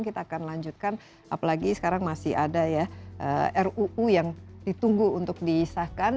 kita akan lanjutkan apalagi sekarang masih ada ya ruu yang ditunggu untuk disahkan